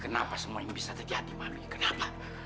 kenapa semua ini bisa terjadi mami kenapa